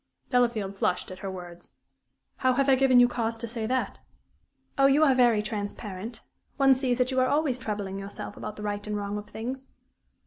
Delafield flushed at her words. "How have I given you cause to say that?" "Oh, you are very transparent. One sees that you are always troubling yourself about the right and wrong of things."